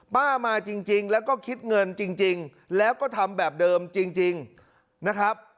มาจริงแล้วก็คิดเงินจริงแล้วก็ทำแบบเดิมจริงนะครับ